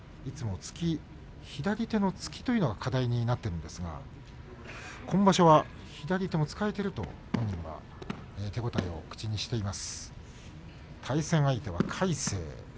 右の突き、左の突きというのが課題になっていますが今場所は左手も使えていると本人は手応えを口にしています。